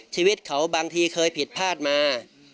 ชีวิตเขาบางทีเคยผิดพลาดมา